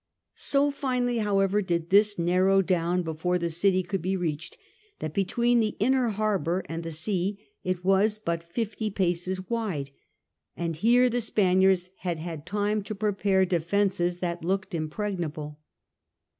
So finely, however, did this narrow down before the city could be reached, that between the inner harbour and the sea it was but fifty paces wide, and here the Spaniards had had time to prepare defences that looked impregnable.